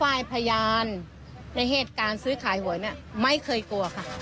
พยานในเหตุการณ์ซื้อขายหวยเนี่ยไม่เคยกลัวค่ะ